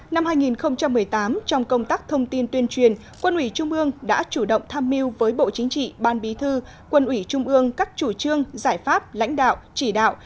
năm hai nghìn một mươi tám trong công tác thông tin tuyên truyền quân ủy trung ương đã chủ động tham mưu với bộ chính trị ban bí thư quân ủy trung ương các chủ trương giải pháp lãnh đạo chỉ đạo